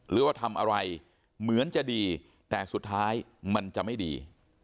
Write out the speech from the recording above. หรือว่าทำอะไรเหมือนจะดีแต่สุดท้ายมันจะไม่ดี